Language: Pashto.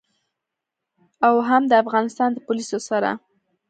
او هم د افغانستان له پوليسو سره.